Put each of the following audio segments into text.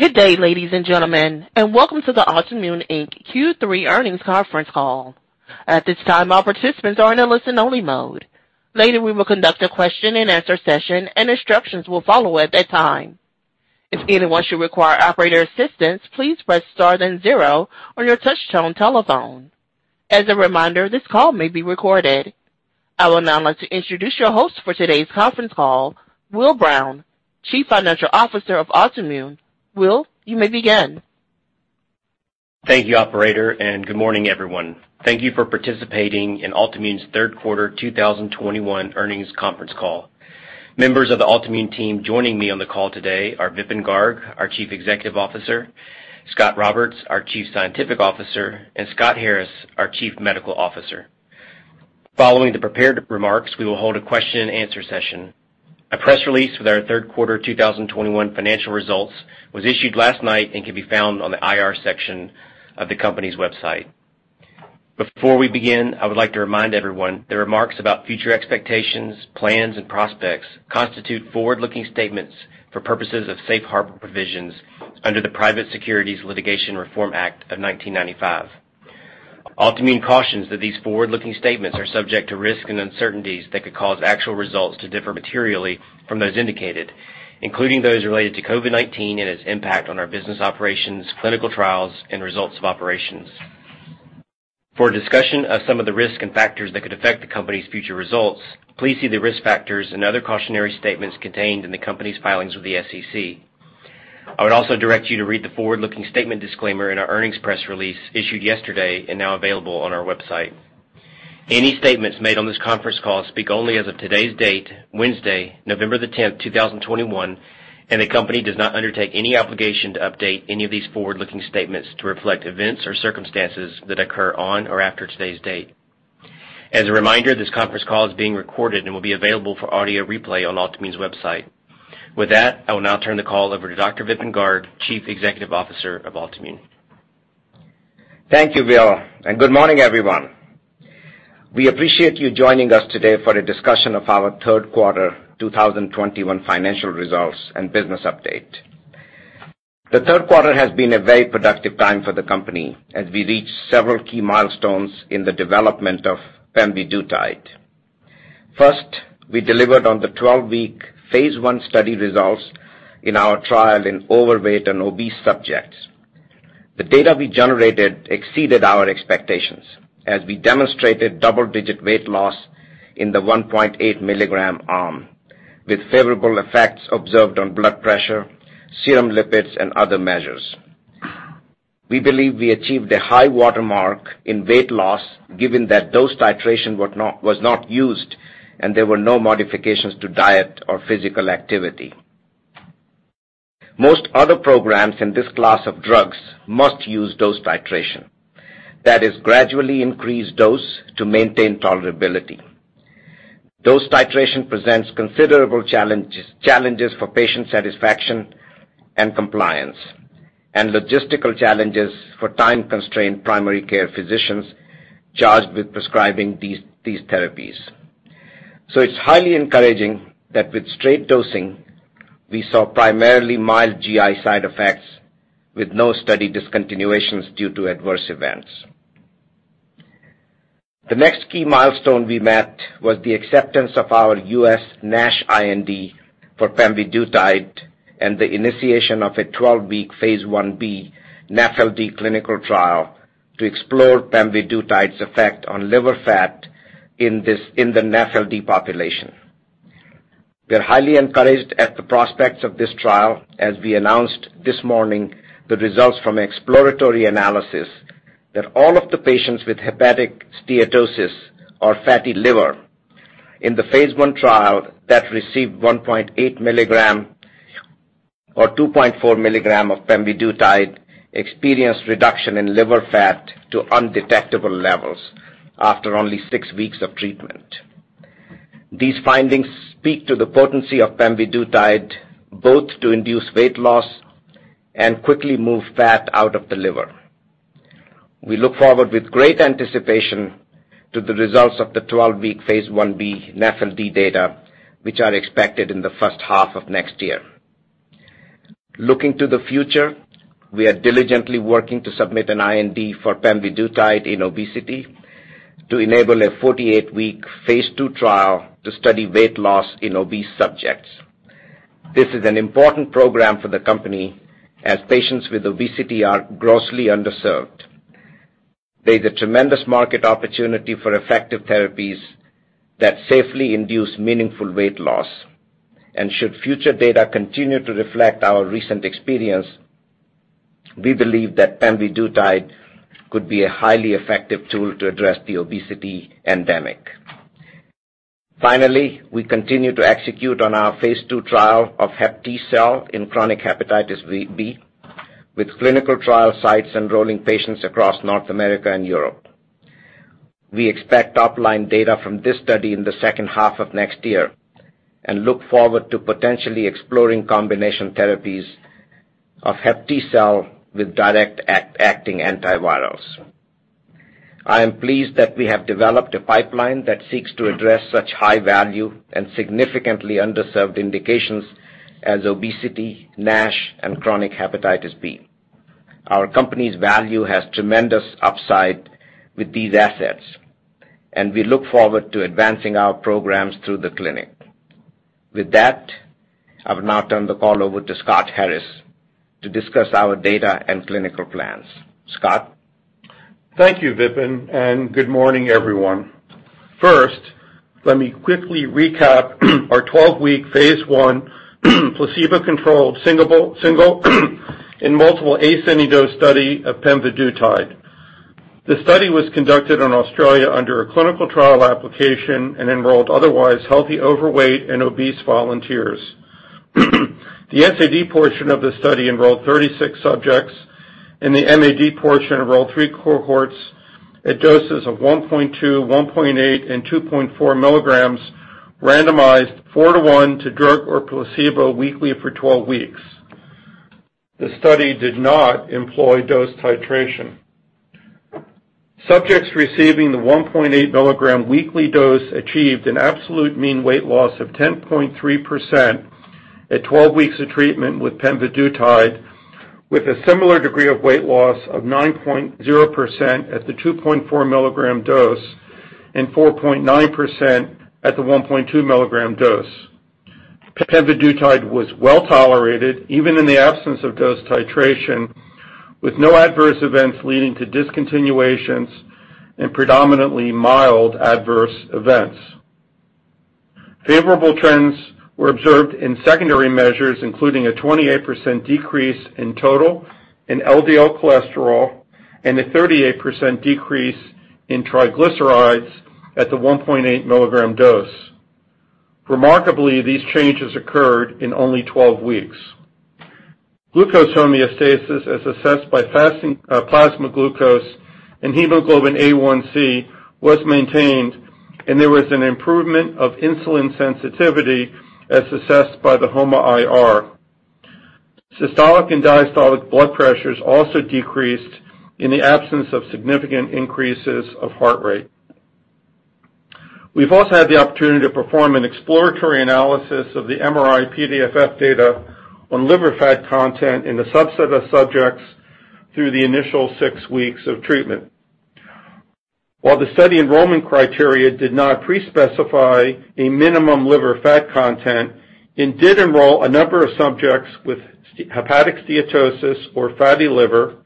Good day, ladies and gentlemen, and welcome to the Altimmune, Inc. Q3 earnings conference call. At this time, all participants are in a listen-only mode. Later, we will conduct a question-and-answer session, and instructions will follow at that time. If anyone should require operator assistance, please press star then zero on your touchtone telephone. As a reminder, this call may be recorded. I would now like to introduce your host for today's conference call, Will Brown, Chief Financial Officer of Altimmune. Will, you may begin. Thank you, operator, and good morning, everyone. Thank you for participating in Altimmune's Q3 2021 earnings conference call. Members of the Altimmune team joining me on the call today are Vipin Garg, our Chief Executive Officer, Scot Roberts, our Chief Scientific Officer, and Scott Harris, our Chief Medical Officer. Following the prepared remarks, we will hold a question-and-answer session. A press release with our Q3 2021 financial results was issued last night and can be found on the IR section of the company's website. Before we begin, I would like to remind everyone that remarks about future expectations, plans and prospects constitute forward-looking statements for purposes of safe harbor provisions under the Private Securities Litigation Reform Act of 1995. Altimmune cautions that these forward-looking statements are subject to risks and uncertainties that could cause actual results to differ materially from those indicated, including those related to COVID-19 and its impact on our business operations, clinical trials and results of operations. For a discussion of some of the risks and factors that could affect the company's future results, please see the risk factors and other cautionary statements contained in the company's filings with the SEC. I would also direct you to read the forward-looking statement disclaimer in our earnings press release issued yesterday and now available on our website. Any statements made on this conference call speak only as of today's date, Wednesday, November 10, 2021, and the company does not undertake any obligation to update any of these forward-looking statements to reflect events or circumstances that occur on or after today's date. As a reminder, this conference call is being recorded and will be available for audio replay on Altimmune's website. With that, I will now turn the call over to Dr. Vipin Garg, Chief Executive Officer of Altimmune. Thank you, Will, and good morning, everyone. We appreciate you joining us today for a discussion of our Q3 2021 financial results and business update. The Q3 has been a very productive time for the company as we reached several key milestones in the development of pemvidutide. First, we delivered on the 12-week phase I study results in our trial in overweight and obese subjects. The data we generated exceeded our expectations as we demonstrated double-digit weight loss in the 1.8 mg arm, with favorable effects observed on blood pressure, serum lipids and other measures. We believe we achieved a high watermark in weight loss given that dose titration was not used and there were no modifications to diet or physical activity. Most other programs in this class of drugs must use dose titration. That is, gradually increase dose to maintain tolerability. Dose titration presents considerable challenges for patient satisfaction and compliance, and logistical challenges for time-constrained primary care physicians charged with prescribing these therapies. It's highly encouraging that with straight dosing, we saw primarily mild GI side effects with no study discontinuations due to adverse events. The next key milestone we met was the acceptance of our U.S. NASH IND for pemvidutide and the initiation of a 12-week phase Ib NAFLD clinical trial to explore pemvidutide's effect on liver fat in the NAFLD population. We're highly encouraged at the prospects of this trial as we announced this morning the results from exploratory analysis that all of the patients with hepatic steatosis or fatty liver in the phase I trial that received 1.8 milligram or 2.4 milligram of pemvidutide experienced reduction in liver fat to undetectable levels after only six weeks of treatment. These findings speak to the potency of pemvidutide both to induce weight loss and quickly move fat out of the liver. We look forward with great anticipation to the results of the 12-week phase IB NAFLD data, which are expected in the first half of next year. Looking to the future, we are diligently working to submit an IND for pemvidutide in obesity to enable a 48-week phase II trial to study weight loss in obese subjects. This is an important program for the company as patients with obesity are grossly underserved. There's a tremendous market opportunity for effective therapies that safely induce meaningful weight loss. Should future data continue to reflect our recent experience, we believe that pemvidutide could be a highly effective tool to address the obesity endemic. Finally, we continue to execute on our Phase II trial of HepTcell in chronic hepatitis B, with clinical trial sites enrolling patients across North America and Europe. We expect top-line data from this study in the second half of next year and look forward to potentially exploring combination therapies of HepTcell with direct-acting antivirals. I am pleased that we have developed a pipeline that seeks to address such high value and significantly underserved indications as obesity, NASH, and chronic hepatitis B. Our company's value has tremendous upside with these assets, and we look forward to advancing our programs through the clinic. With that, I will now turn the call over to Scott Harris to discuss our data and clinical plans. Scott? Thank you, Vipin, and good morning, everyone. First, let me quickly recap our 12-week phase I placebo-controlled single and multiple ascending dose study of pemvidutide. The study was conducted in Australia under a clinical trial application and enrolled otherwise healthy, overweight, and obese volunteers. The SAD portion of the study enrolled 36 subjects, and the MAD portion enrolled three cohorts at doses of 1.2, 1.8, and 2.4 milligrams randomized 4:1 to drug or placebo weekly for 12 weeks. The study did not employ dose titration. Subjects receiving the 1.8 mg weekly dose achieved an absolute mean weight loss of 10.3% at 12 weeks of treatment with pemvidutide, with a similar degree of weight loss of 9.0% at the 2.4 mg dose and 4.9% at the 1.2 mg dose. Pemvidutide was well-tolerated, even in the absence of dose titration, with no adverse events leading to discontinuations and predominantly mild adverse events. Favorable trends were observed in secondary measures, including a 28% decrease in total LDL cholesterol and a 38% decrease in triglycerides at the 1.8 mg dose. Remarkably, these changes occurred in only 12 weeks. Glucose homeostasis, as assessed by fasting plasma glucose and hemoglobin A1c, was maintained, and there was an improvement of insulin sensitivity, as assessed by the HOMA-IR. Systolic and diastolic blood pressures also decreased in the absence of significant increases of heart rate. We've also had the opportunity to perform an exploratory analysis of the MRI-PDFF data on liver fat content in the subset of subjects through the initial 6 weeks of treatment. While the study enrollment criteria did not pre-specify a minimum liver fat content, it did enroll a number of subjects with hepatic steatosis or fatty liver,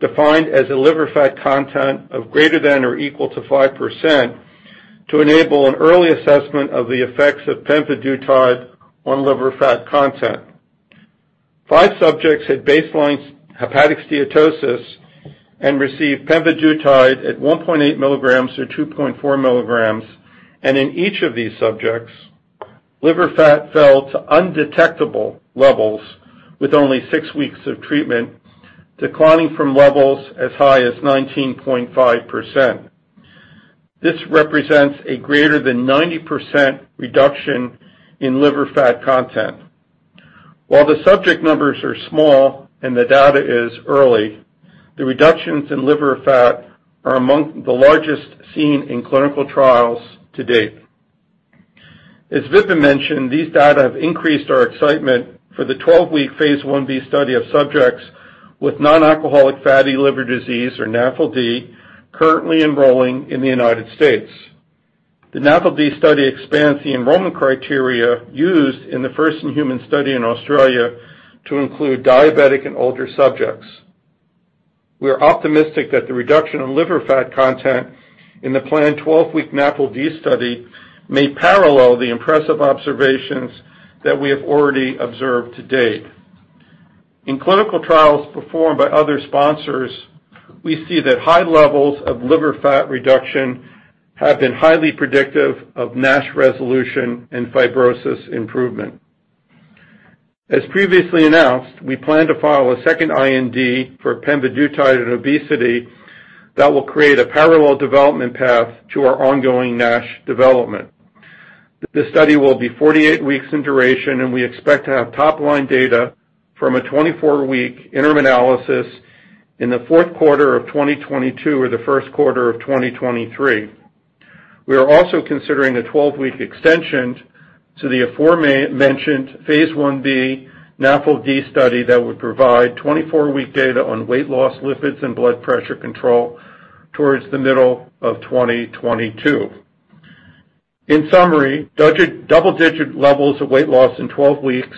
defined as a liver fat content of greater than or equal to 5% to enable an early assessment of the effects of pemvidutide on liver fat content. Five subjects had baseline hepatic steatosis and received pemvidutide at 1.8 milligrams or 2.4 milligrams, and in each of these subjects, liver fat fell to undetectable levels with only 6 weeks of treatment, declining from levels as high as 19.5%. This represents a greater than 90% reduction in liver fat content. While the subject numbers are small and the data is early, the reductions in liver fat are among the largest seen in clinical trials to date. As Vipin mentioned, these data have increased our excitement for the 12-week phase Ib study of subjects with non-alcoholic fatty liver disease, or NAFLD, currently enrolling in the United States. The NAFLD study expands the enrollment criteria used in the first-in-human study in Australia to include diabetic and older subjects. We are optimistic that the reduction in liver fat content in the planned 12-week NAFLD study may parallel the impressive observations that we have already observed to date. In clinical trials performed by other sponsors, we see that high levels of liver fat reduction have been highly predictive of NASH resolution and fibrosis improvement. As previously announced, we plan to file a second IND for pemvidutide in obesity that will create a parallel development path to our ongoing NASH development. The study will be 48 weeks in duration, and we expect to have top-line data from a 24-week interim analysis in the Q4 of 2022 or the Q1 of 2023. We are also considering a 12-week extension to the aforementioned phase Ib NAFLD study that would provide 24-week data on weight loss, lipids, and blood pressure control towards the middle of 2022. In summary, double-digit levels of weight loss in 12 weeks,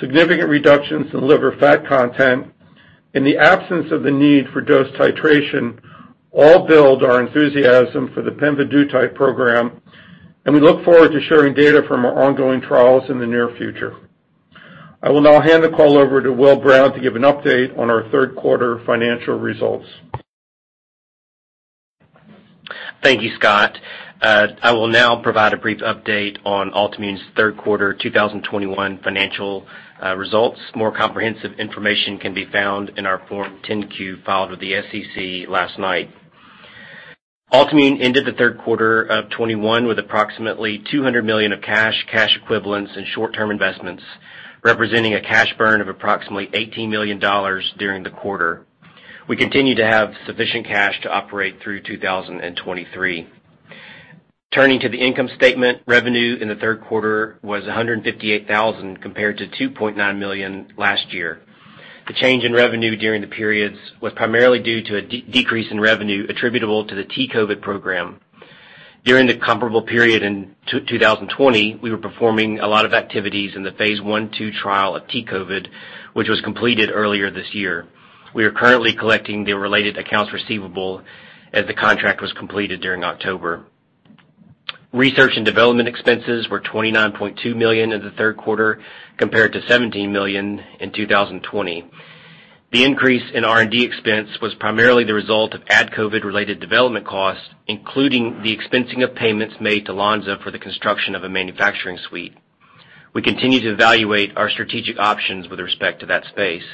significant reductions in liver fat content, and the absence of the need for dose titration all build our enthusiasm for the pemvidutide program, and we look forward to sharing data from our ongoing trials in the near future. I will now hand the call over to Will Brown to give an update on our Q3 financial results. Thank you, Scott. I will now provide a brief update on Altimmune's Q3 2021 financial results. More comprehensive information can be found in our Form 10-Q filed with the SEC last night. Altimmune ended the Q3 of 2021 with approximately $200 million of cash equivalents, and short-term investments, representing a cash burn of approximately $18 million during the quarter. We continue to have sufficient cash to operate through 2023. Turning to the income statement, revenue in the Q3 was $158,000 compared to $2.9 million last year. The change in revenue during the periods was primarily due to a decrease in revenue attributable to the T-COVID program. During the comparable period in 2020, we were performing a lot of activities in the phase I/II trial of T-COVID, which was completed earlier this year. We are currently collecting the related accounts receivable as the contract was completed during October. Research and development expenses were $29.2 million in the Q3 compared to $17 million in 2020. The increase in R&D expense was primarily the result of AdCOVID-related development costs, including the expensing of payments made to Lonza for the construction of a manufacturing suite. We continue to evaluate our strategic options with respect to that space.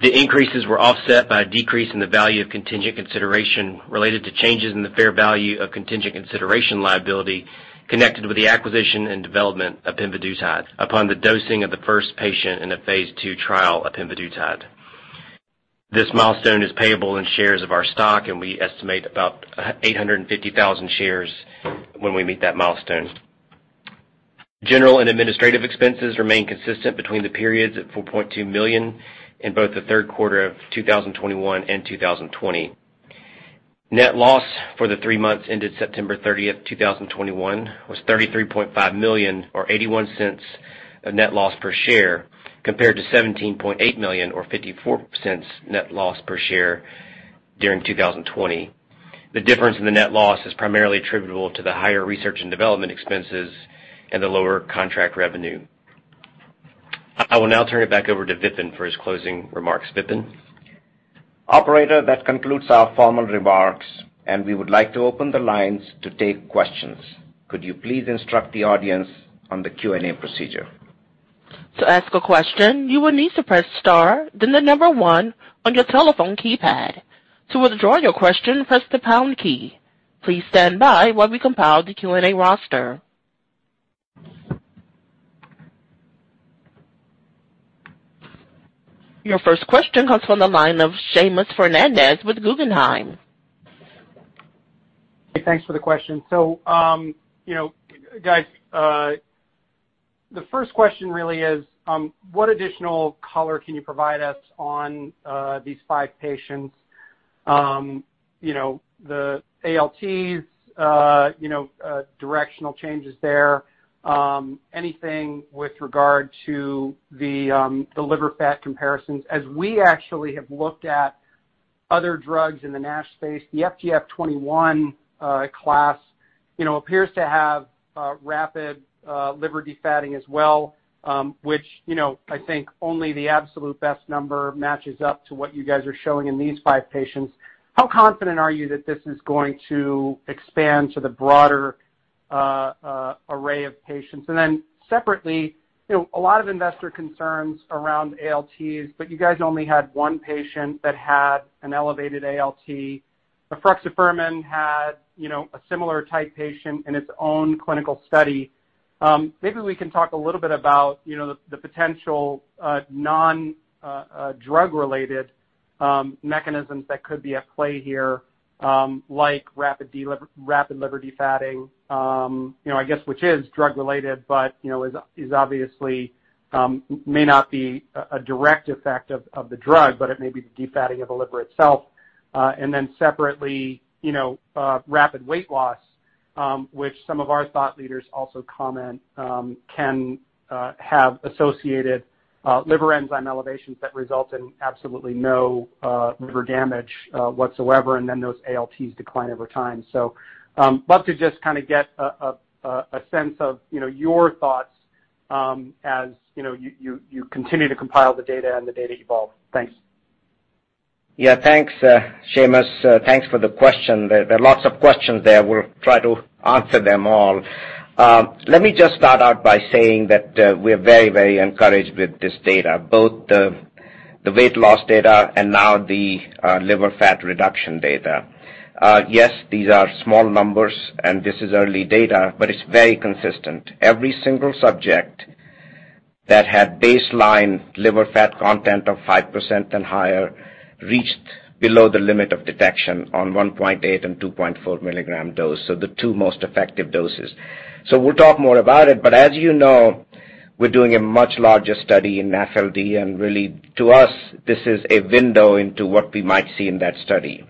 The increases were offset by a decrease in the value of contingent consideration related to changes in the fair value of contingent consideration liability connected with the acquisition and development of pemvidutide upon the dosing of the first patient in a phase II trial of pemvidutide. This milestone is payable in shares of our stock, and we estimate about 850,000 shares when we meet that milestone. General and administrative expenses remain consistent between the periods at $4.2 million in both the Q3 of 2021 and 2020. Net loss for the three months ended September 30, 2021 was $33.5 million or 81 cents net loss per share, compared to $17.8 million or 54 cents net loss per share during 2020. The difference in the net loss is primarily attributable to the higher research and development expenses and the lower contract revenue. I will now turn it back over to Vipin for his closing remarks. Vipin? Operator, that concludes our formal remarks, and we would like to open the lines to take questions. Could you please instruct the audience on the Q&A procedure? To ask a question, you will need to press star, then 1 on your telephone keypad. To withdraw your question, press the pound key. Please stand by while we compile the Q&A roster. Your first question comes from the line of Seamus Fernandez with Guggenheim. Hey, thanks for the question. You know, guys, the first question really is, what additional color can you provide us on, these five patients? You know, the ALTs, you know, directional changes there, anything with regard to the liver fat comparisons. As we actually have looked at other drugs in the NASH space, the FGF21 class, you know, appears to have, rapid, liver defatting as well, which, you know, I think only the absolute best number matches up to what you guys are showing in these five patients. How confident are you that this is going to expand to the broader, array of patients? Separately, you know, a lot of investor concerns around ALTs, but you guys only had one patient that had an elevated ALT. Efruxifermin had, you know, a similar type patient in its own clinical study. Maybe we can talk a little bit about, you know, the potential non-drug-related mechanisms that could be at play here, like rapid liver defatting, you know, I guess, which is drug-related but, you know, is obviously may not be a direct effect of the drug, but it may be the defatting of the liver itself. Then separately, you know, rapid weight loss, which some of our thought leaders also comment can have associated liver enzyme elevations that result in absolutely no liver damage whatsoever, and then those ALTs decline over time. I'd love to just kinda get a sense of, you know, your thoughts, as you know, you continue to compile the data and the data evolve. Thanks. Yeah. Thanks, Seamus. Thanks for the question. There are lots of questions there. We'll try to answer them all. Let me just start out by saying that we're very, very encouraged with this data, both the weight loss data and now the liver fat reduction data. Yes, these are small numbers, and this is early data, but it's very consistent. Every single subject that had baseline liver fat content of 5% and higher reached below the limit of detection on 1.8 and 2.4 mg dose, so the two most effective doses. We'll talk more about it, but as you know, we're doing a much larger study in NAFLD, and really, to us, this is a window into what we might see in that study.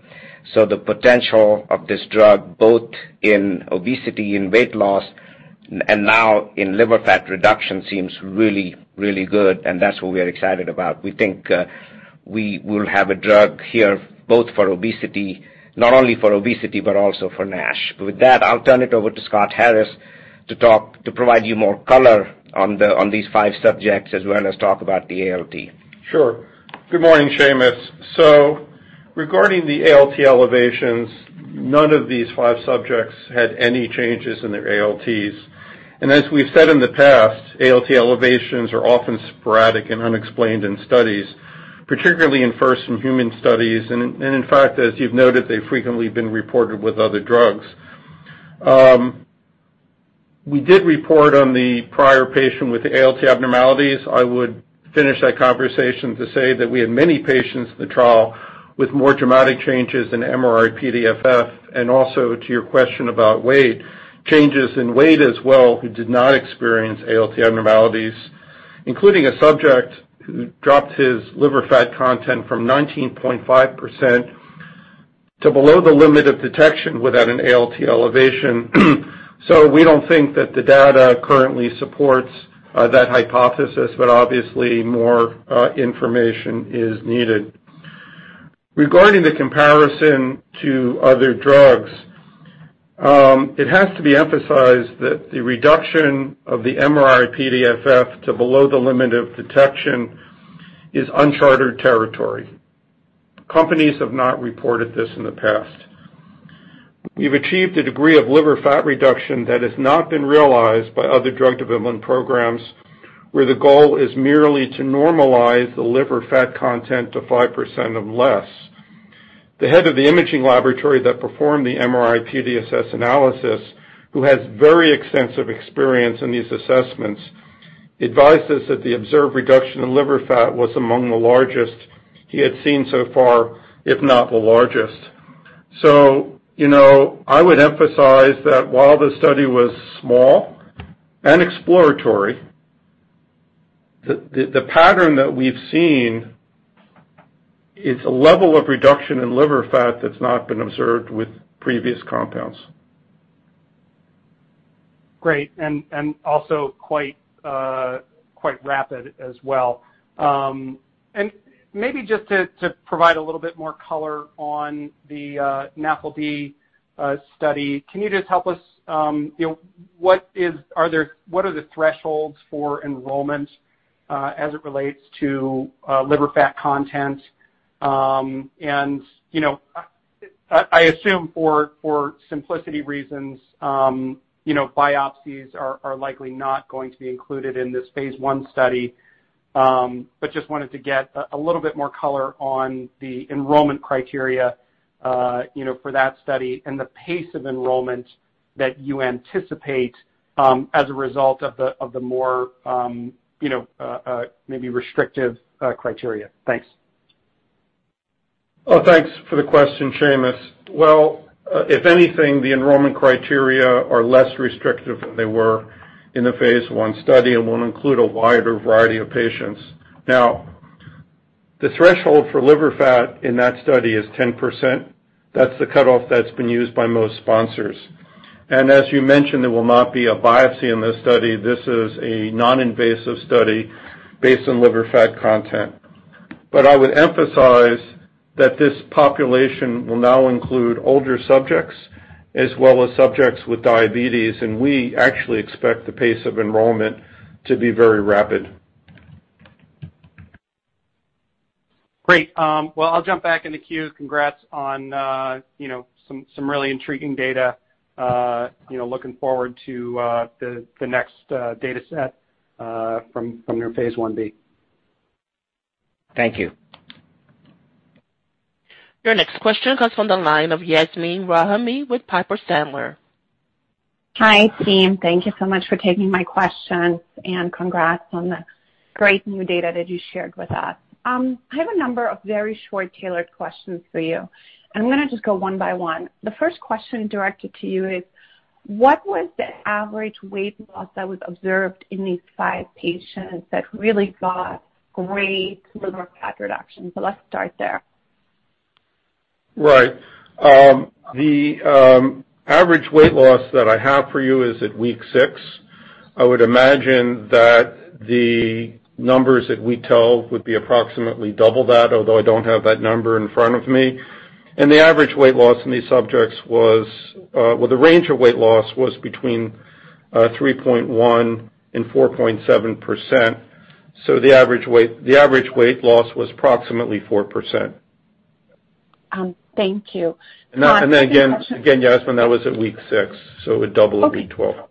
The potential of this drug, both in obesity and weight loss, and now in liver fat reduction, seems really good, and that's what we are excited about. We think we will have a drug here both for obesity, not only for obesity, but also for NASH. With that, I'll turn it over to Scott Harris to provide you more color on these five subjects as well as talk about the ALT. Sure. Good morning, Seamus. Regarding the ALT elevations, none of these five subjects had any changes in their ALTs. As we've said in the past, ALT elevations are often sporadic and unexplained in studies, particularly in first-in-human studies. In fact, as you've noted, they've frequently been reported with other drugs. We did report on the prior patient with ALT abnormalities. I would finish that conversation to say that we have many patients in the trial with more dramatic changes in MRI PDFF and also to your question about weight, changes in weight as well, who did not experience ALT abnormalities, including a subject who dropped his liver fat content from 19.5% to below the limit of detection without an ALT elevation. We don't think that the data currently supports that hypothesis, but obviously more information is needed. Regarding the comparison to other drugs, it has to be emphasized that the reduction of the MRI-PDFF to below the limit of detection is uncharted territory. Companies have not reported this in the past. We've achieved a degree of liver fat reduction that has not been realized by other drug development programs, where the goal is merely to normalize the liver fat content to 5% or less. \The head of the imaging laboratory that performed the MRI-PDFF analysis, who has very extensive experience in these assessments, advised us that the observed reduction in liver fat was among the largest he had seen so far, if not the largest. You know, I would emphasize that while the study was small and exploratory, the pattern that we've seen is a level of reduction in liver fat that's not been observed with previous compounds. Great. Also quite rapid as well. Maybe just to provide a little bit more color on the NAFLD study, can you just help us, you know, what are the thresholds for enrollment as it relates to liver fat content? You know, I assume for simplicity reasons, you know, biopsies are likely not going to be included in this phase I study. Just wanted to get a little bit more color on the enrollment criteria, you know, for that study and the pace of enrollment that you anticipate as a result of the more, you know, maybe restrictive criteria. Thanks. Oh, thanks for the question, Seamus. Well, if anything, the enrollment criteria are less restrictive than they were in the phase I study and will include a wider variety of patients. Now, the threshold for liver fat in that study is 10%. That's the cutoff that's been used by most sponsors. As you mentioned, there will not be a biopsy in this study. This is a non-invasive study based on liver fat content. I would emphasize that this population will now include older subjects as well as subjects with diabetes, and we actually expect the pace of enrollment to be very rapid. Great. Well, I'll jump back in the queue. Congrats on some really intriguing data. Looking forward to the next data set from your phase I B. Thank you. Your next question comes from the line of Yasmeen Rahimi with Piper Sandler. Hi, team. Thank you so much for taking my questions, and congrats on the great new data that you shared with us. I have a number of very short tailored questions for you, and I'm going to just go one by one. The first question directed to you is what was the average weight loss that was observed in these five patients that really got great liver fat reduction? So let's start there. Right. The average weight loss that I have for you is at week six. I would imagine that the numbers at week 12 would be approximately double that, although I don't have that number in front of me. The average weight loss in these subjects was, well, the range of weight loss was between 3.1% and 4.7%. The average weight loss was approximately 4%. Thank you. Again, Yasmeen, that was at week 6, so it would double at week 12. Okay.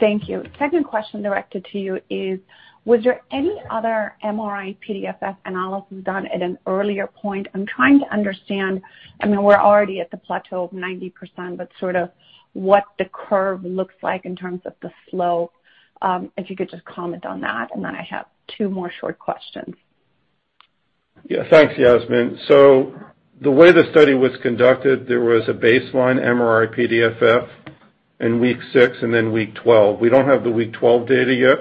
Thank you. Second question directed to you is, was there any other MRI-PDFF analysis done at an earlier point? I'm trying to understand, I mean, we're already at the plateau of 90%, but sort of what the curve looks like in terms of the slope, if you could just comment on that, and then I have two more short questions. Yeah. Thanks, Yasmeen. The way the study was conducted, there was a baseline MRI-PDFF in week 6 and then week 12. We don't have the week 12 data yet,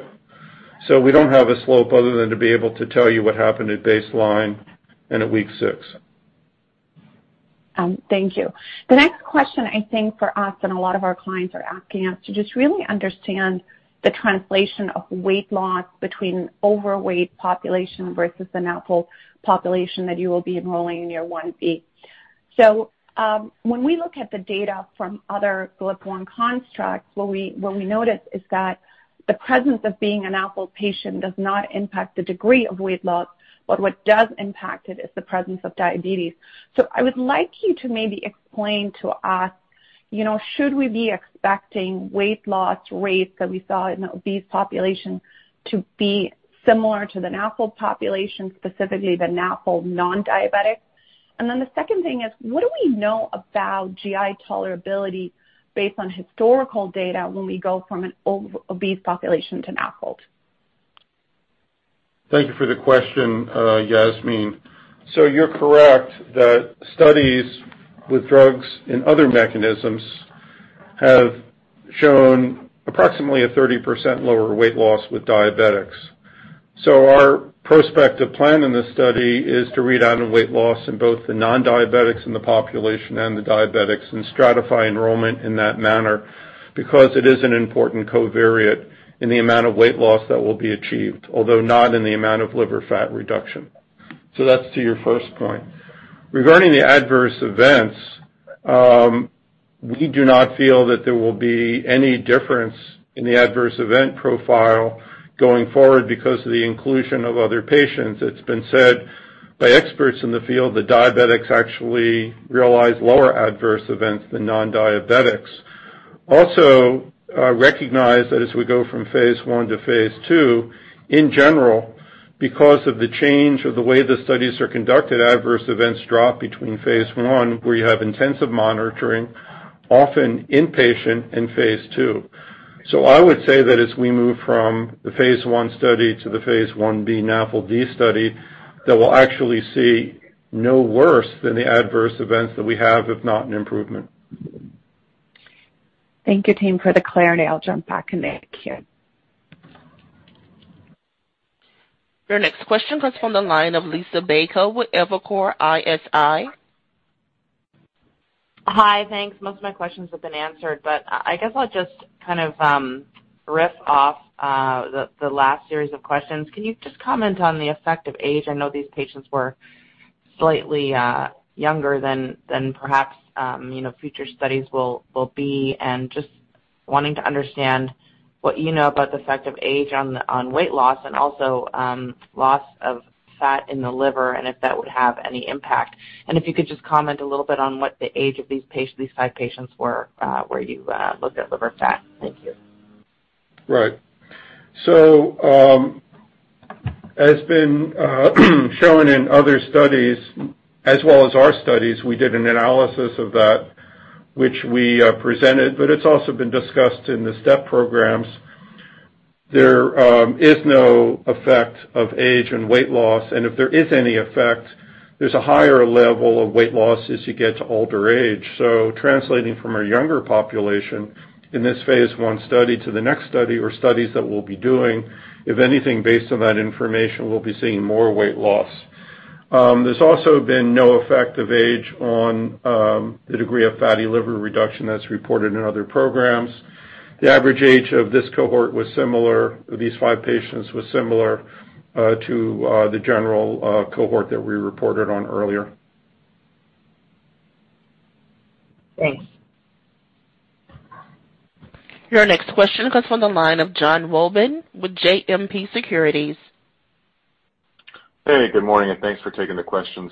so we don't have a slope other than to be able to tell you what happened at baseline and at week 6. Thank you. The next question I think for us and a lot of our clients are asking us to just really understand the translation of weight loss between overweight population versus the NAFLD population that you will be enrolling in your Phase Ib. When we look at the data from other GLP-1 constructs, what we notice is that the presence of being an NAFLD patient does not impact the degree of weight loss, but what does impact it is the presence of diabetes. I would like you to maybe explain to us, you know, should we be expecting weight loss rates that we saw in obese population to be similar to the NAFLD population, specifically the NAFLD non-diabetic? And then the second thing is, what do we know about GI tolerability based on historical data when we go from an obese population to NAFLD? Thank you for the question, Yasmeen. You're correct that studies with drugs and other mechanisms have shown approximately 30% lower weight loss with diabetics. Our prospective plan in this study is to read out on weight loss in both the non-diabetics in the population and the diabetics and stratify enrollment in that manner because it is an important covariate in the amount of weight loss that will be achieved, although not in the amount of liver fat reduction. That's to your first point. Regarding the adverse events, we do not feel that there will be any difference in the adverse event profile going forward because of the inclusion of other patients. It's been said by experts in the field that diabetics actually realize lower adverse events than non-diabetics. Also, recognize that as we go from phase I to phase II, in general, because of the change of the way the studies are conducted, adverse events drop between phase I, where you have intensive monitoring, often inpatient in phase II. I would say that as we move from the phase I study to the phase I-B NAFLD study, that we'll actually see no worse than the adverse events that we have, if not an improvement. Thank you, team, for the clarity. I'll jump back in the queue. Your next question comes from the line of Liisa Bayko with Evercore ISI. Hi. Thanks. Most of my questions have been answered, but I guess I'll just kind of riff off the last series of questions. Can you just comment on the effect of age? I know these patients were slightly younger than perhaps you know future studies will be. Just wanting to understand what you know about the effect of age on weight loss and also loss of fat in the liver and if that would have any impact. If you could just comment a little bit on what the age of these five patients were where you looked at liver fat. Thank you. Right. Has been shown in other studies as well as our studies, we did an analysis of that which we presented, but it's also been discussed in the STEP program. There is no effect of age and weight loss, and if there is any effect, there's a higher level of weight loss as you get to older age. Translating from a younger population in this phase I study to the next study or studies that we'll be doing, if anything based on that information, we'll be seeing more weight loss. There's also been no effect of age on the degree of fatty liver reduction that's reported in other programs. The average age of this cohort was similar. The average age of these five patients was similar to the general cohort that we reported on earlier. Thanks. Your next question comes from the line of Jonathan Wolleben with JMP Securities. Hey, good morning, and thanks for taking the questions.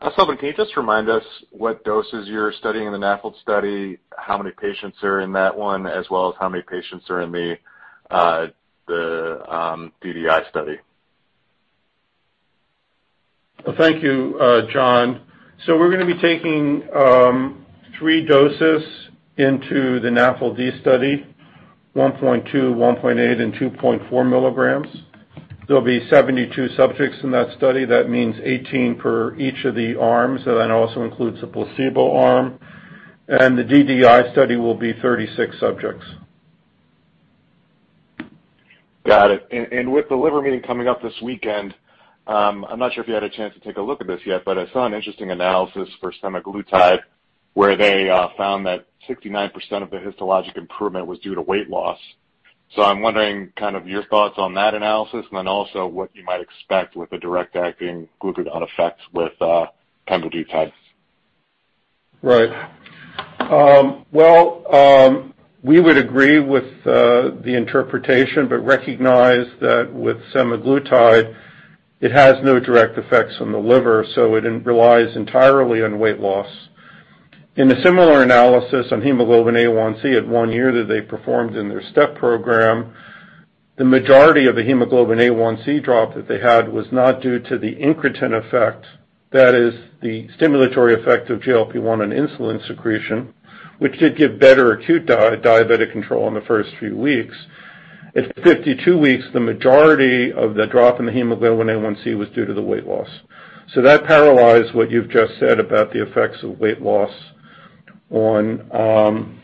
Scott Harris, can you just remind us what doses you're studying in the NAFLD study, how many patients are in that one, as well as how many patients are in the DDI study? Thank you, John. We're going to be taking three doses into the NAFLD study, 1.2, 1.8 and 2.4 milligrams. There'll be 72 subjects in that study. That means 18 per each of the arms. That also includes a placebo arm. The DDI study will be 36 subjects. Got it. With the liver meeting coming up this weekend, I'm not sure if you had a chance to take a look at this yet, but I saw an interesting analysis for semaglutide where they found that 69% of the histologic improvement was due to weight loss. I'm wondering kind of your thoughts on that analysis and then also what you might expect with the direct-acting glucagon effects with pemvidutide. Right. Well, we would agree with the interpretation, but recognize that with semaglutide it has no direct effects on the liver, so it relies entirely on weight loss. In a similar analysis on hemoglobin A1c at one year that they performed in their STEP program, the majority of the hemoglobin A1c drop that they had was not due to the incretin effect. That is the stimulatory effect of GLP-1 on insulin secretion, which did give better acute diabetic control in the first few weeks. At 52 weeks, the majority of the drop in the hemoglobin A1c was due to the weight loss. That parallelized what you've just said about the effects of weight loss on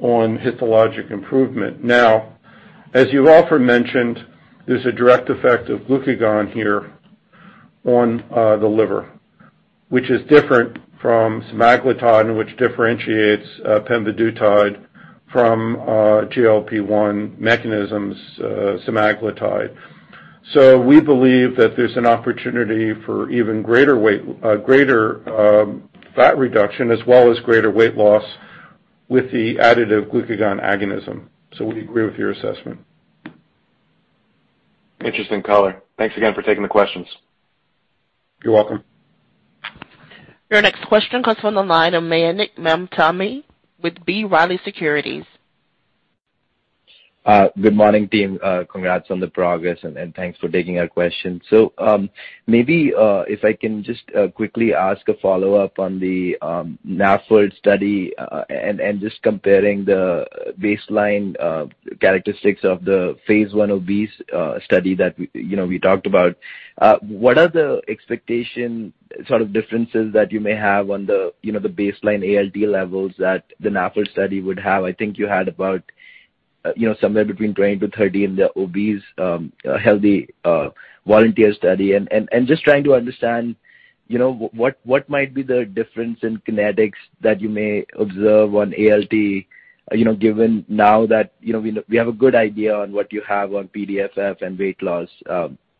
histologic improvement. Now, as you've often mentioned, there's a direct effect of glucagon here on the liver, which is different from semaglutide and which differentiates pemvidutide from GLP-1 mechanisms semaglutide. We believe that there's an opportunity for even greater fat reduction as well as greater weight loss with the additive glucagon agonism. We agree with your assessment. Interesting color. Thanks again for taking the questions. You're welcome. Your next question comes from the line of Mayank Mamtani with B. Riley Securities. Good morning, team. Congrats on the progress, and thanks for taking our question. Maybe if I can just quickly ask a follow-up on the NAFLD study, and just comparing the baseline characteristics of the phase I obese study that we, you know, we talked about. What are the expectation sort of differences that you may have on the, you know, the baseline ALT levels that the NAFLD study would have? I think you had about, you know, somewhere between 20-30 in the obese healthy volunteer study. Just trying to understand, you know, what might be the difference in kinetics that you may observe on ALT, you know, given now that, you know, we have a good idea on what you have on PDFF and weight loss,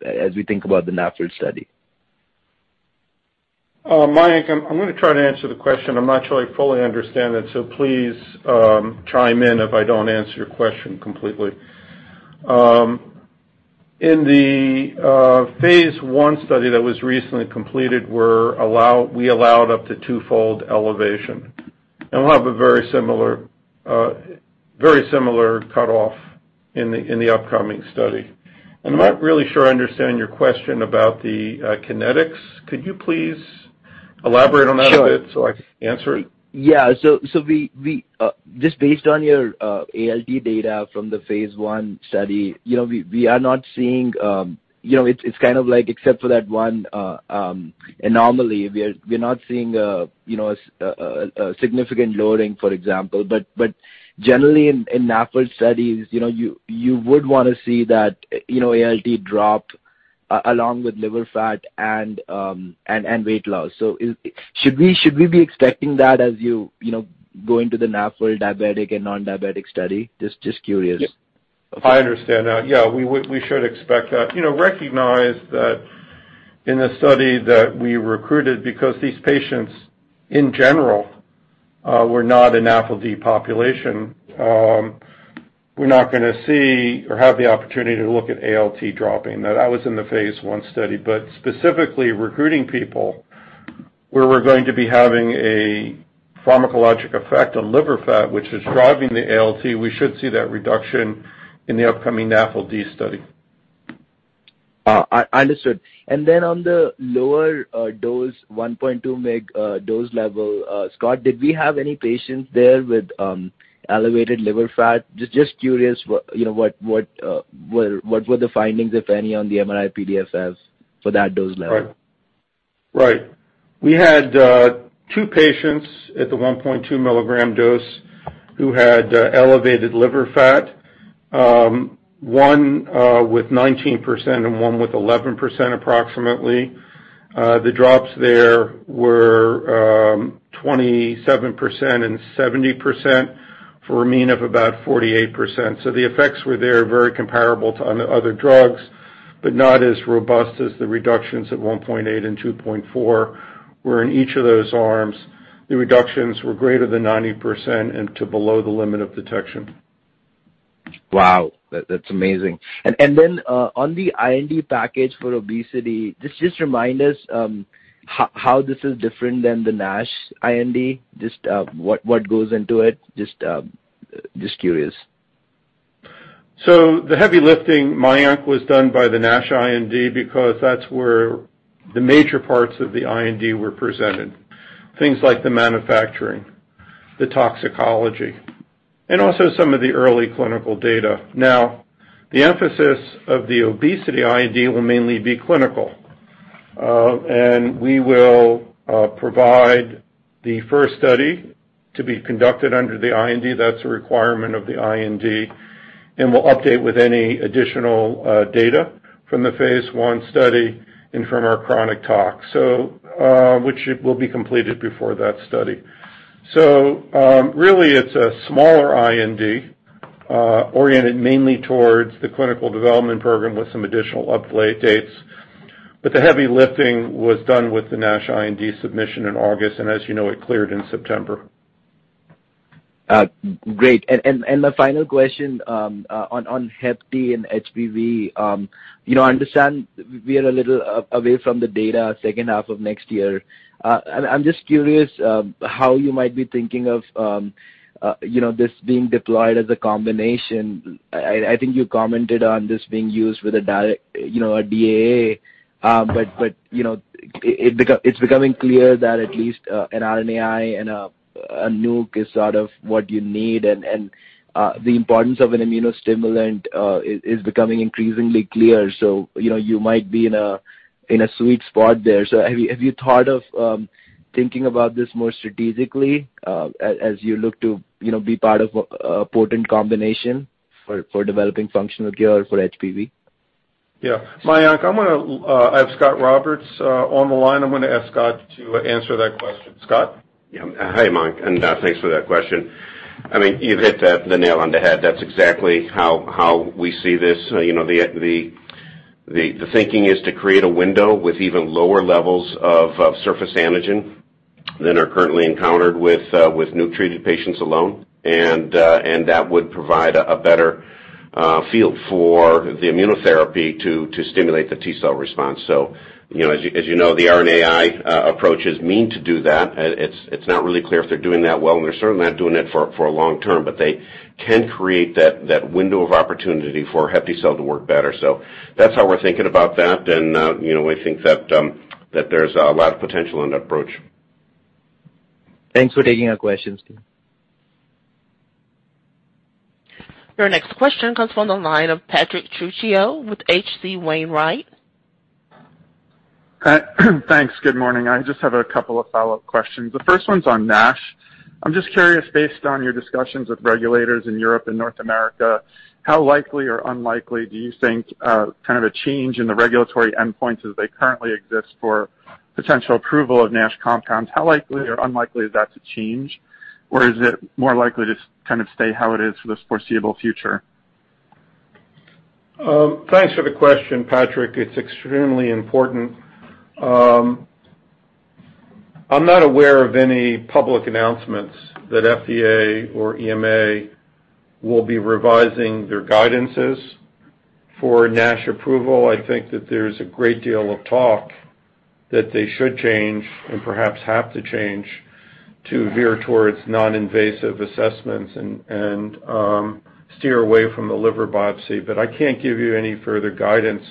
as we think about the NAFLD study. Mayank, I'm going to try to answer the question. I'm not sure I fully understand it, so please chime in if I don't answer your question completely. In the phase I study that was recently completed we allowed up to twofold elevation, and we'll have a very similar cutoff in the upcoming study. I'm not really sure I understand your question about the kinetics. Could you please elaborate on that a bit? Sure. I can answer it? We just based on your ALT data from the phase I study, you know, we are not seeing, you know, it's kind of like except for that one anomaly, we're not seeing, you know, a significant lowering, for example. Generally in NAFLD studies, you know, you would want to see that, you know, ALT drop along with liver fat and weight loss. Should we be expecting that as you go into the NAFLD diabetic and non-diabetic study? Just curious. I understand that. Yeah. We should expect that. Recognize that in the study that we recruited because these patients in general were not an NAFLD population, we're not going to see or have the opportunity to look at ALT dropping. Now that was in the phase I study. Specifically recruiting people where we're going to be having a pharmacologic effect on liver fat, which is driving the ALT, we should see that reduction in the upcoming NAFLD study. I understood. On the lower dose, 1.2 mg dose level, Scott, did we have any patients there with elevated liver fat? Just curious what, you know, what were the findings, if any, on the MRI-PDFFs for that dose level? Right. We had two patients at the 1.2 milligram dose who had elevated liver fat, one with 19% and one with 11% approximately. The drops there were 27% and 70% for a mean of about 48%. The effects were there, very comparable to other drugs, but not as robust as the reductions at 1.8 and 2.4, where in each of those arms the reductions were greater than 90% and to below the limit of detection. Wow, that's amazing. On the IND package for obesity, just remind us how this is different than the NASH IND, just what goes into it. Just curious. The heavy lifting, Mayank Mamtani, was done by the NASH IND because that's where the major parts of the IND were presented, things like the manufacturing, the toxicology, and also some of the early clinical data. Now, the emphasis of the obesity IND will mainly be clinical. And we will provide the first study to be conducted under the IND, that's a requirement of the IND, and we'll update with any additional data from the phase I study and from our chronic tox, which will be completed before that study. Really it's a smaller IND, oriented mainly towards the clinical development program with some additional updated data, but the heavy lifting was done with the NASH IND submission in August, and as you know, it cleared in September. Great. The final question on HEPTY and HBV, you know, I understand we are a little away from the data second half of next year. I'm just curious how you might be thinking of, you know, this being deployed as a combination. I think you commented on this being used with, you know, a DAA. But you know, it's becoming clear that at least an RNAi and a nuc is sort of what you need. The importance of an immunostimulant is becoming increasingly clear. You know, you might be in a sweet spot there. Have you thought of thinking about this more strategically, as you look to, you know, be part of a potent combination for developing functional cure for HBV? Yeah. Mayank, I'm going to, I have Scot Roberts on the line. I'm going to ask Scot to answer that question. Scot? Yeah. Hi, Mayank, and thanks for that question. I mean, you hit the nail on the head. That's exactly how we see this. You know, the thinking is to create a window with even lower levels of surface antigen than are currently encountered with new treated patients alone, and that would provide a better field for the immunotherapy to stimulate the T-cell response. The RNAi approaches mean to do that. It's not really clear if they're doing that well, and they're certainly not doing it for long term, but they can create that window of opportunity for HepTcell to work better. So that's how we're thinking about that, and you know, we think that there's a lot of potential in that approach. Thanks for taking our questions. Your next question comes from the line of Patrick Trucchio with H.C. Wainwright. Hi. Thanks. Good morning. I just have a couple of follow-up questions. The first one's on NASH. I'm just curious, based on your discussions with regulators in Europe and North America, how likely or unlikely do you think, kind of a change in the regulatory endpoints as they currently exist for potential approval of NASH compounds, how likely or unlikely is that to change? Or is it more likely to kind of stay how it is for this foreseeable future? Thanks for the question, Patrick. It's extremely important. I'm not aware of any public announcements that FDA or EMA will be revising their guidances for NASH approval. I think that there's a great deal of talk that they should change and perhaps have to change to veer towards non-invasive assessments and steer away from the liver biopsy. I can't give you any further guidance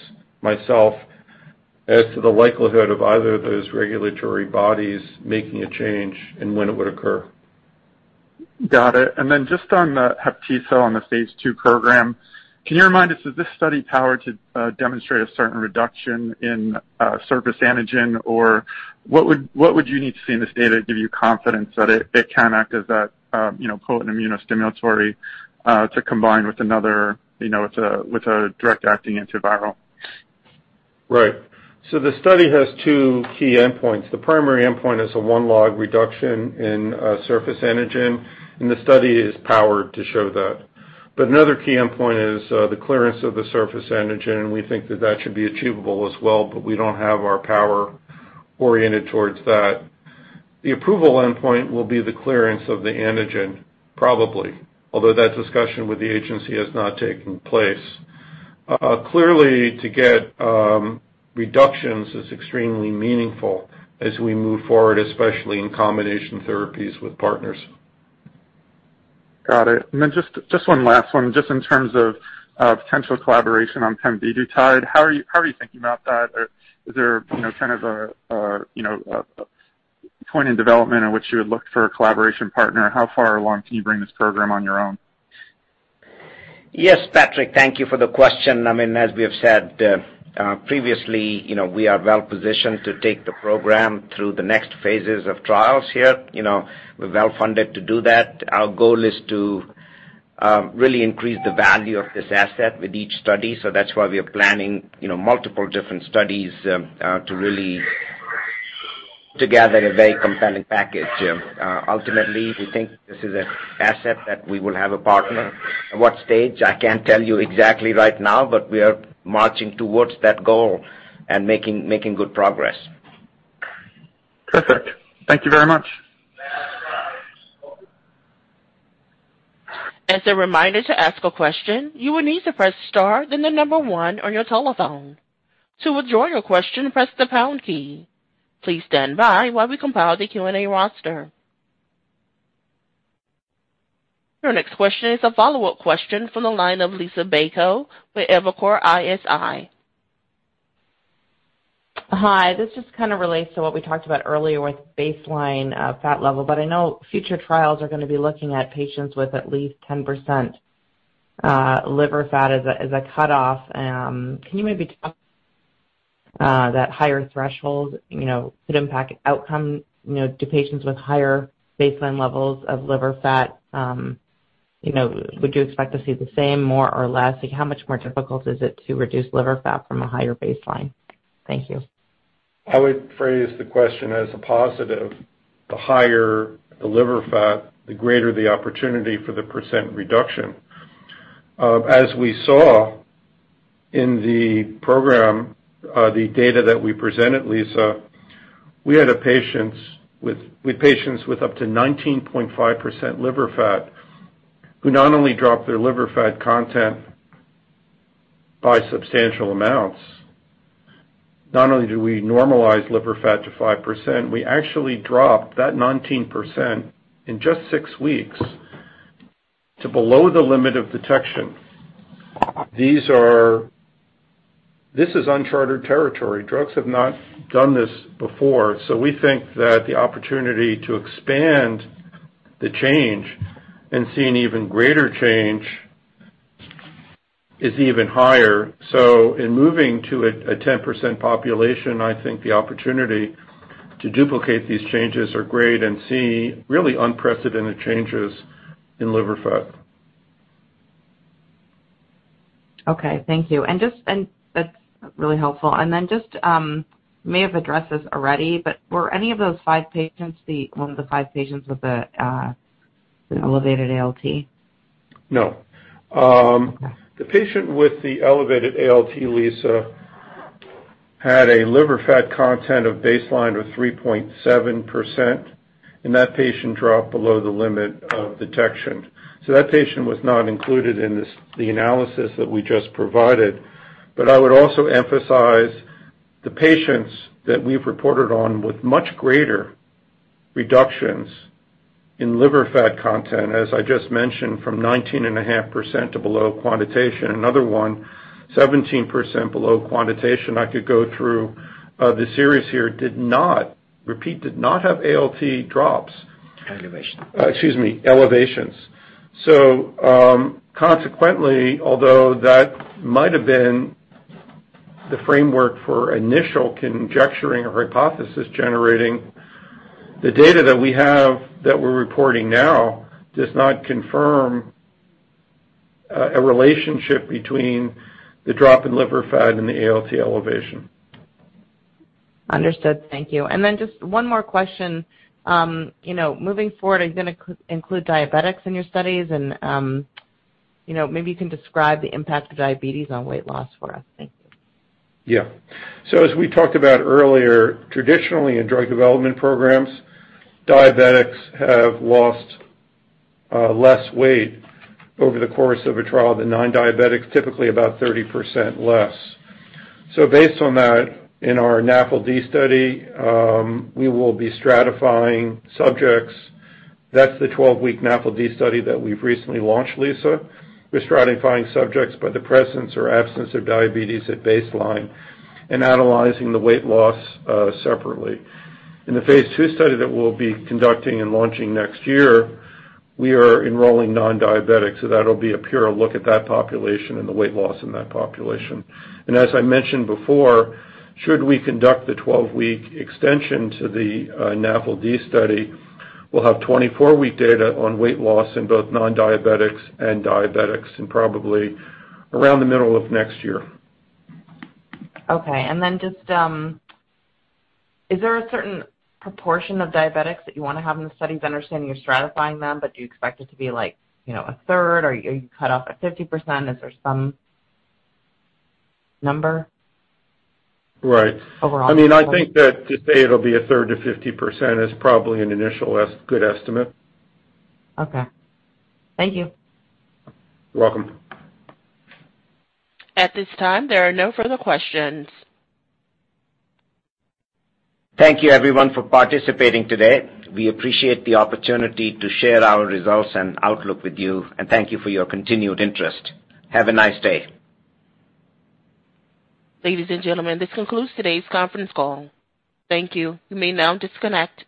myself as to the likelihood of either of those regulatory bodies making a change and when it would occur. Got it. Just on the HepTcell on the phase II program, can you remind us, is this study powered to demonstrate a certain reduction in surface antigen? Or what would you need to see in this data to give you confidence that it can act as that, you know, potent immunostimulatory to combine with another, you know, with a direct acting antiviral? Right. The study has two key endpoints. The primary endpoint is a one-log reduction in surface antigen, and the study is powered to show that. Another key endpoint is the clearance of the surface antigen, and we think that should be achievable as well, but we don't have our power oriented towards that. The approval endpoint will be the clearance of the antigen, probably, although that discussion with the agency has not taken place. Clearly, to get reductions is extremely meaningful as we move forward, especially in combination therapies with partners. Got it. Then just one last one, just in terms of potential collaboration on tenofovir tide, how are you thinking about that? Or is there, you know, kind of a point in development in which you would look for a collaboration partner? How far along can you bring this program on your own? Yes, Patrick. Thank you for the question. I mean, as we have said previously, you know, we are well-positioned to take the program through the next phases of trials here. You know, we're well-funded to do that. Our goal is to really increase the value of this asset with each study. That's why we are planning, you know, multiple different studies to really put together a very compelling package. Ultimately, we think this is an asset that we will have a partner. At what stage? I can't tell you exactly right now, but we are marching towards that goal and making good progress. Perfect. Thank you very much. As a reminder to ask a question, you will need to press star, then the number 1 on your telephone. To withdraw your question, press the pound key. Please stand by while we compile the Q&A roster. Your next question is a follow-up question from the line of Liisa Bayko with Evercore ISI. Hi. This just kind of relates to what we talked about earlier with baseline fat level, but I know future trials are going to be looking at patients with at least 10% liver fat as a cutoff. Can you maybe talk that higher threshold, you know, could impact outcome, you know, to patients with higher baseline levels of liver fat? You know, would you expect to see the same, more or less? Like, how much more difficult is it to reduce liver fat from a higher baseline? Thank you. I would phrase the question as a positive. The higher the liver fat, the greater the opportunity for the percent reduction. As we saw in the program, the data that we presented, Lisa, we had patients with up to 19.5% liver fat, who not only dropped their liver fat content by substantial amounts, not only do we normalize liver fat to 5%, we actually dropped that 19% in just six weeks to below the limit of detection. This is uncharted territory. Drugs have not done this before. We think that the opportunity to expand the change and see an even greater change is even higher. In moving to a 10% population, I think the opportunity to duplicate these changes are great and see really unprecedented changes in liver fat. Okay. Thank you. That's really helpful. You may have addressed this already, but were any of those 5 patients one of the 5 patients with the elevated ALT? No, the patient with the elevated ALT, Liisa, had a liver fat content baseline of 3.7%, and that patient dropped below the limit of detection. That patient was not included in the analysis that we just provided. I would also emphasize the patients that we've reported on with much greater reductions in liver fat content, as I just mentioned, from 19.5% to below quantitation. Another one, 17% below quantitation. I could go through the series here. Did not have ALT drops. Elevation. Excuse me, elevations. Consequently, although that might have been the framework for initial conjecturing or hypothesis generating, the data that we have that we're reporting now does not confirm a relationship between the drop in liver fat and the ALT elevation. Understood. Thank you. Just one more question. You know, moving forward, are you going to include diabetics in your studies? You know, maybe you can describe the impact of diabetes on weight loss for us. Thank you. As we talked about earlier, traditionally in drug development programs, diabetics have lost less weight over the course of a trial than non-diabetics, typically about 30% less. Based on that, in our NAFLD study, we will be stratifying subjects. That's the 12-week NAFLD study that we've recently launched, Liisa. We're stratifying subjects by the presence or absence of diabetes at baseline and analyzing the weight loss separately. In the phase II study that we'll be conducting and launching next year, we are enrolling non-diabetics. That'll be a pure look at that population and the weight loss in that population. As I mentioned before, should we conduct the 12-week extension to the NAFLD study, we'll have 24-week data on weight loss in both non-diabetics and diabetics, and probably around the middle of next year. Okay. Just, is there a certain proportion of diabetics that you want to have in the studies? I understand you're stratifying them, but do you expect it to be like, you know, a third, or you cut off at 50%? Is there some number? Right. Overall. I mean, I think that to say it'll be a third to 50% is probably an initial good estimate. Okay. Thank you. You're welcome. At this time, there are no further questions. Thank you everyone for participating today. We appreciate the opportunity to share our results and outlook with you, and thank you for your continued interest. Have a nice day. Ladies and gentlemen, this concludes today's conference call. Thank you. You may now disconnect.